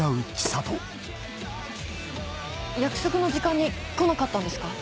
約束の時間に来なかったんですか？